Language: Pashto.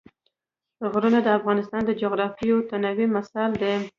غرونه د افغانستان د جغرافیوي تنوع مثال دی.